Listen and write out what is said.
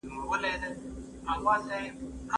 امنیت